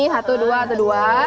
satu dua satu dua